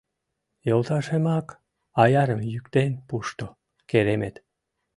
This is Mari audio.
— Йолташемак аярым йӱктен пушто, керемет!